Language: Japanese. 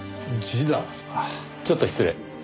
ちょっと失礼。